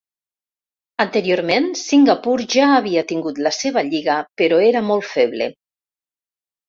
Anteriorment, Singapur ja havia tingut la seva lliga però era molt feble.